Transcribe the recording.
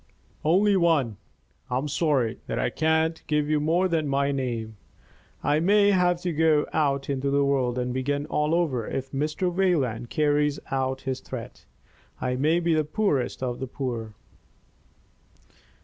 "Only one. I am sorry that I can't give you more than my name. I may have to go out into the world and begin all over if Mr. Wayland carries out his threat. I may be the poorest of the poor."